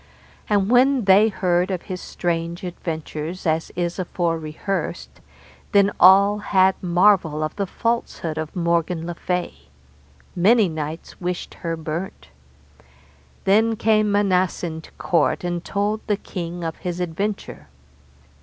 And when they heard of his strange adventures as is afore rehearsed, then all had marvel of the falsehood of Morgan le Fay; many knights wished her burnt. Then came Manassen to court and told the king of his adventure.